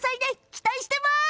期待しています。